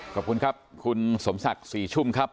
ขอบคุณครับคุณสมศักดิ์ศรีชุ่มครับ